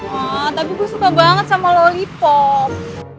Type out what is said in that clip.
wah tapi gue suka banget sama lollipop